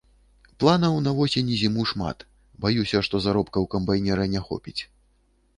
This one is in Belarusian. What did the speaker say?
Планаў на восень і зіму шмат, баюся, што заробкаў камбайнера не хопіць.